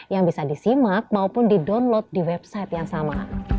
yang bisa disimak maupun didownload di website yang sama